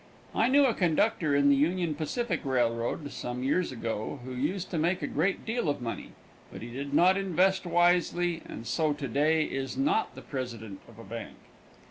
I knew a conductor on the Union Pacific railroad, some years ago, who used to make a great deal of money, but he did not invest wisely, and so to day is not the president of a bank.